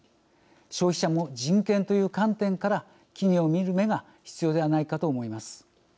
消費者も人権という観点から企業を見る目が必要ではないかと思います。